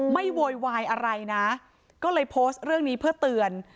โวยวายอะไรนะก็เลยโพสต์เรื่องนี้เพื่อเตือน